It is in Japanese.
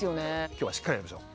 今日はしっかりやりましょう。